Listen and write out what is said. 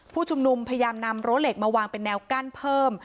ผู้ชุมนุมพยายามนำรั้วเหล็กมาวางเป็นแนวกั้นเพิ่ม